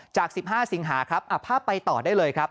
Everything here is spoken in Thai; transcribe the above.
จาก๑๕สิงหาครับภาพไปต่อได้เลยครับ